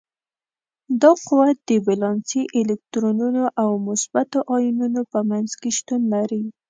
دا قوه د ولانسي الکترونونو او مثبتو ایونونو په منځ کې شتون لري.